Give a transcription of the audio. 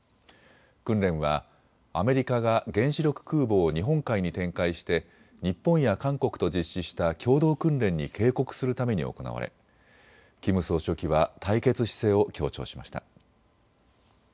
訓練はアメリカが原子力空母を日本海に展開して日本や韓国と実施した共同訓練に警告するために行われキム総書記は対決姿勢を強調しました。